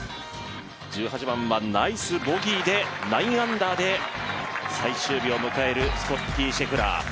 １８番はナイスボギーで９アンダーで最終日を迎えるスコッティ・シェフラー。